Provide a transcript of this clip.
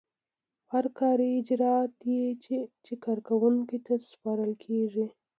هر کاري اجراات چې کارکوونکي ته سپارل کیږي.